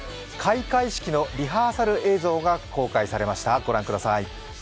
開会式のリハーサル映像が公開されました。